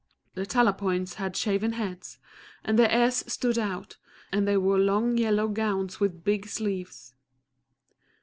The Talapoins had shaven heads, and their ears stood out, and they wore long yellow gowns with big sleeves.